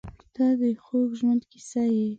• ته د خوږ ژوند کیسه یې.